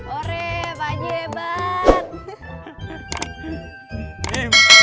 oreh pak haji hebat